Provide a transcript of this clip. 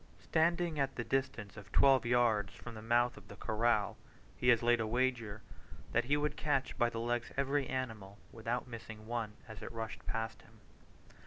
Standing at the distance of twelve yards from the mouth of the corral, he has laid a wager that he would catch by the legs every animal, without missing one, as it rushed past him.